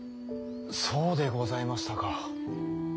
そうでございましたか。